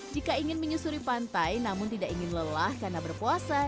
jika ingin menyusuri pantai namun tidak ingin lelah karena berpuasa